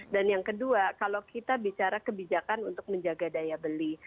dan yang kedua kalau kita bicara kebijakan untuk menjaga daya beli